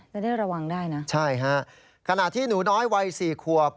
จะได้ระวังได้นะใช่ฮะขณะที่หนูน้อยวัยสี่ขวบ